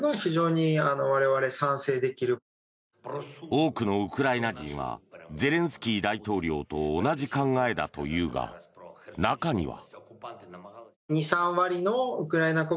多くのウクライナ人はゼレンスキー大統領と同じ考えだというが中には。